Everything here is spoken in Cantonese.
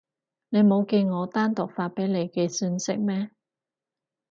你冇見我單獨發畀你嘅訊息咩？